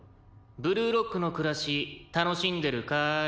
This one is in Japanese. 「ブルーロックの暮らし楽しんでるかーい？」